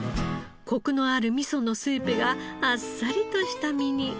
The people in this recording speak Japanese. コクのある味噌のスープがあっさりとした身に絶妙に絡みます。